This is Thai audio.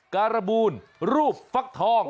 การบูลรูปฟักทอง